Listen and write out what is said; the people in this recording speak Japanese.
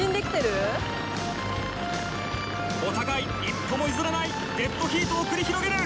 お互い一歩も譲らないデッドヒートを繰り広げる。